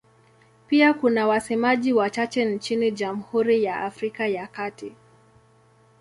Pia kuna wasemaji wachache nchini Jamhuri ya Afrika ya Kati.